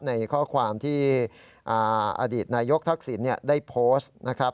ในข้อความที่อดีตนายกทักษิณได้โพสต์นะครับ